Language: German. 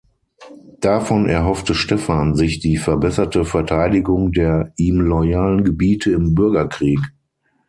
Davon erhoffte Stephan sich die verbesserte Verteidigung der ihm loyalen Gebiete im Bürgerkrieg.